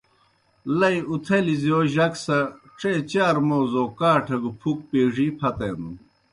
لئی اُتَھلیْ زِیؤ جک سہ ڇے چار موزو کاٹھہ گہ پُھک پیڙی پھتینَن۔